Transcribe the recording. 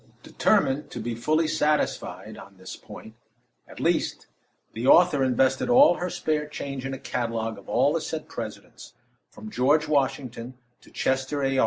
Determined to be fully satisfied on this point, at least, the author invested all her spare change in a catalogue of all the said Presidents, from George Washington to Chester A.